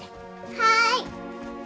はい！